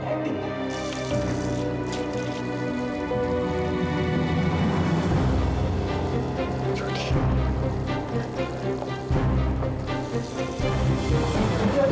jangan didokteran aja dong